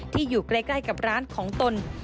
อยู่ใกล้กับร้านของตน